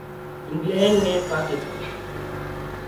England میں پاکس